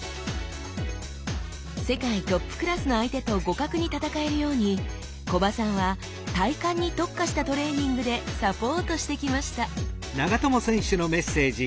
世界トップクラスの相手と互角に戦えるように木場さんは体幹に特化したトレーニングでサポートしてきました